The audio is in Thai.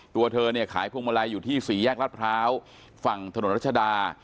ตัวเธอเนี่ยขายพวงมาลัยอยู่ที่สี่แยกรัฐพร้าวฝั่งถนนรัชดา